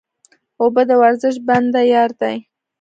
اوبه د ورزش بنده یار دی